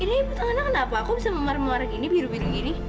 ini ibu tangannya kenapa aku bisa memaruh maruh warna gini biru biru gini